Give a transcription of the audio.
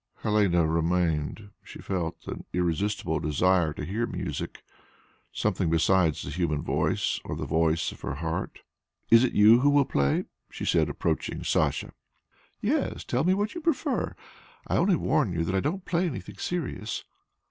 Helene remained. She felt an irresistible desire to hear music something besides the human voice or the voice of her heart. "Is it you who will play?" she said, approaching Sacha. "Yes; tell me what you prefer; I only warn you that I don't play anything very serious."